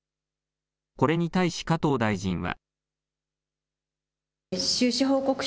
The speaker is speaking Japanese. これに対し加藤大臣は。